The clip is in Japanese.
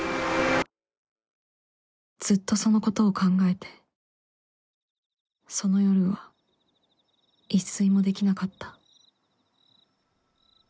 ずっとその事を考えてその夜は一睡もできなかった